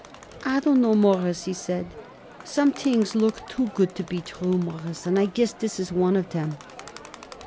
"I don't know, Mawruss," he said; "some things looks too good to be true, Mawruss, and I guess this is one of them."